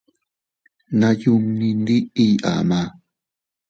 Nayunni ndiiy ama.